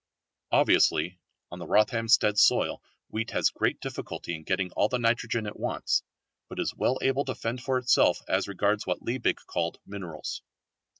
Obviously on the Rothamsted soil wheat has great difficulty in getting all the nitrogen it wants, but is well able to fend for itself as regards what Liebig called minerals.